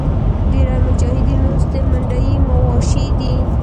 ډېری مجاهدین اوس د منډیي مواشي دي.